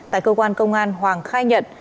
tại cơ quan công an hoàng khai nhận